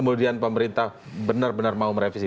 kemudian pemerintah benar benar mau merevisi